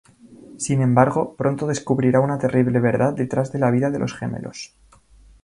Sin embargo, pronto descubrirá una terrible verdad detrás de la vida de los gemelos.